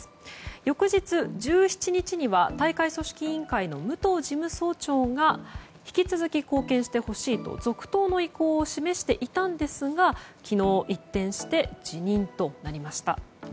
翌日、１７日には大会組織委員会の武藤事務総長が引き続き貢献してほしいと続投の意向を示していたんですが昨日、一転して辞任となりました。